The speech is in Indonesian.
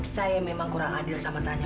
saya memang kurang adil sama tanya